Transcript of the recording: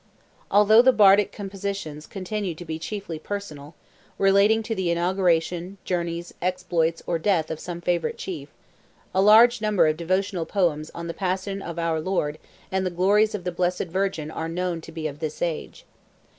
Although the Bardic compositions continued to be chiefly personal, relating to the inauguration, journeys, exploits, or death of some favourite chief, a large number of devotional poems on the passion of our Lord and the glories of the Blessed Virgin are known to be of this age.